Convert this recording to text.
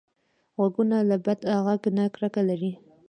غوږونه له بد غږ نه کرکه لري